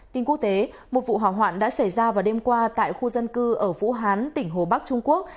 tin quốc tế một vụ hỏa hoạn đã xảy ra vào đêm qua tại khu dân cư ở vũ hán tỉnh hồ bắc trung quốc